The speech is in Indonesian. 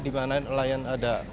di mana layan ada